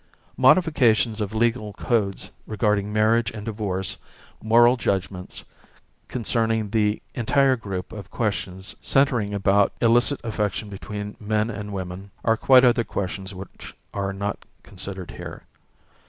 Modifications of legal codes regarding marriage and divorce, moral judgments concerning the entire group of questions centring about illicit affection between men and women, are quite other questions which are not considered here.